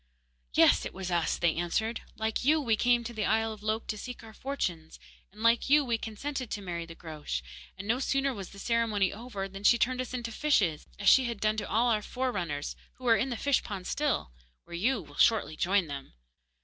'Yes, it was us,' they answered. 'Like you, we came to the isle of Lok to seek our fortunes, and like you we consented to marry the Groac'h, and no sooner was the ceremony over than she turned us into fishes, as she had done to all our forerunners, who are in the fish pond still, where you will shortly join them.